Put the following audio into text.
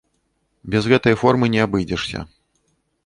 Без гэтай формы не абыдзешся.